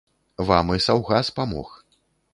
Вам і саўгас памог.